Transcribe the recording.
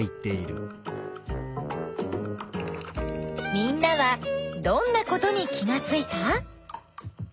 みんなはどんなことに気がついた？